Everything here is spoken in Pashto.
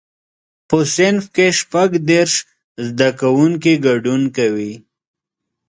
په صنف کې شپږ دیرش زده کوونکي ګډون کوي.